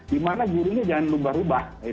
dimana gurunya jangan lupa rubah